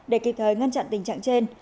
để kịp thời ngăn chặn tình trạng trên